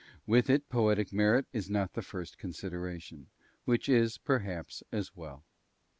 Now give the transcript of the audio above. With it, poetic merit is not the first consideration, which is, perhaps, as well.